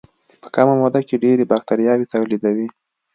په کمه موده کې ډېرې باکتریاوې تولیدوي.